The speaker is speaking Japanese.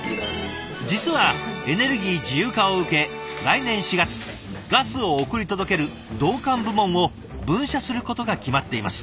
実はエネルギー自由化を受け来年４月ガスを送り届ける導管部門を分社することが決まっています。